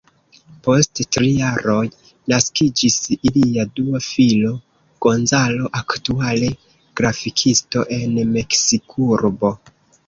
Post tri jaroj, naskiĝis ilia dua filo, Gonzalo, aktuale grafikisto en Meksikurbo.